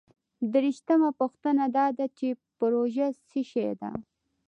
دیرشمه پوښتنه دا ده چې پروژه څه شی ده؟